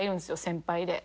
先輩で。